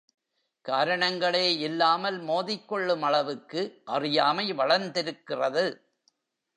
காரணங்களே இல்லாமல் மோதிக்கொள்ளும் அளவுக்கு அறியாமை வளர்ந்திருக்கிறது.